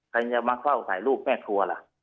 ใครจะมาเฝ้าถ่ายรูปแม่ครัวล่ะ